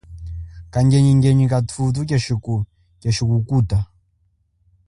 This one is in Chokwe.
Kangenyingenyi kathuthu keshi kukuta.